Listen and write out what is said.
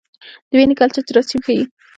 د وینې کلچر جراثیم ښيي.